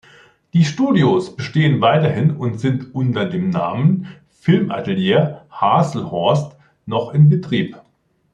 Die Studios bestehen weiterhin und sind unter dem Namen "Filmatelier Haselhorst" noch in Betrieb.